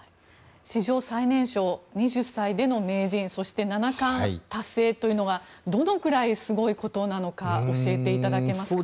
史上最年少２０歳での名人そして七冠達成というのはどのくらいすごいことなのか教えていただけますか。